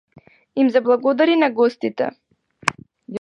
Им заблагодари на гостите.